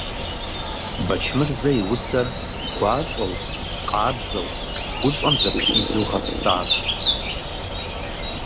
Бэчмырзэ и усэр гуащӀэу, къабзэу, гущӀэм зэпхидзу гъэпсащ.